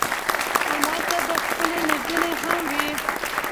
همالته به ښکلې نجونې هم وي.